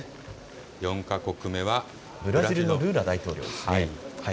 ４か国目はブラジルのルーラ大統領ですね。